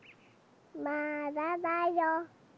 まだだよ。